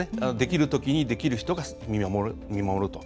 できるときにできる人が見守ると。